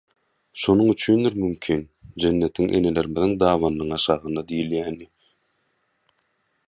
Şonuň üçindir mümkin, jennetiň enelerimiziň dabanynyň aşagynda diýilýäni?